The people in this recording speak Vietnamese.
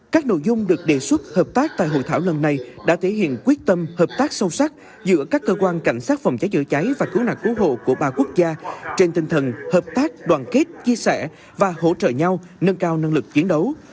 các nội dung được đề xuất hợp tác tại hội thảo lần này đã thể hiện quyết tâm hợp tác sâu sắc giữa các cơ quan cảnh sát phòng cháy chữa cháy và cứu nạn cứu hộ của ba quốc gia trên tinh thần hợp tác đoàn kết chia sẻ và hỗ trợ nhau nâng cao năng lực chiến đấu